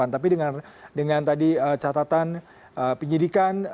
tapi dengan tadi catatan penyidikan